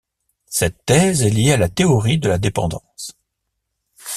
Cette thèse est liée à la théorie de la dépendance.